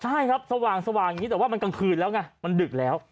ใช่ครับสว่างแต่ว่ามันกลางคืนแล้วมันดึกแล้ว